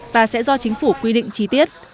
và sẽ do chính phủ quy định trí tiết